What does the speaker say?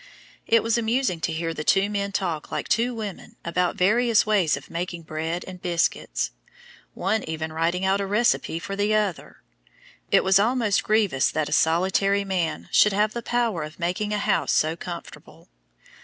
It was amusing to hear the two men talk like two women about various ways of making bread and biscuits, one even writing out a recipe for the other. It was almost grievous that a solitary man should have the power of making a house so comfortable!